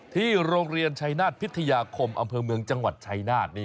ที่โรงเรียนชัยนาฏพิทยาคมอำเภอเมืองจังหวัดชายนาฏ